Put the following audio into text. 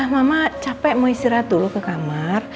mama capek mau istirahat dulu ke kamar